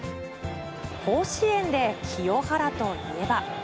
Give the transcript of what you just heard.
甲子園で清原といえば。